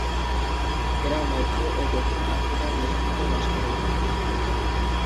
এরা মধ্য ও দক্ষিণ আফ্রিকার দেশগুলোতে বাস করে।